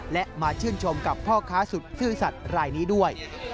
และมาชื่นชมกับพ่อค้าสุดซื่อสัตว์รายนี้ด้วย